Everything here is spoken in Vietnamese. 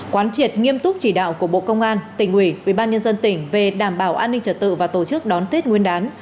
quán triệt nghiêm túc chỉ đạo của bộ công an tỉnh ủy ubnd tỉnh về đảm bảo an ninh trật tự và tổ chức đón tết nguyên đán